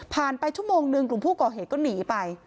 ไปชั่วโมงหนึ่งกลุ่มผู้ก่อเหตุก็หนีไป